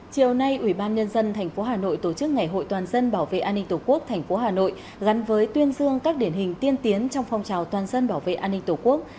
chiều nay ủy ban nhân dân tp hà nội tổ chức ngày hội toàn dân bảo vệ an ninh tổ quốc tp hà nội gắn với tuyên dương các điển hình tiên tiến trong phong trào toàn dân bảo vệ an ninh tổ quốc